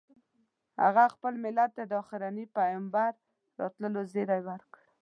هغه خپل ملت ته د اخرني پیغمبر راتلو زیری ورکړ.